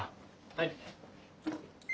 はい。